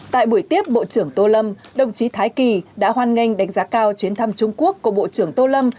tại buổi tiếp bộ trưởng tô lâm đồng chí thái kỳ đã hoan nghênh đánh giá cao chuyến thăm trung quốc của bộ trưởng tô lâm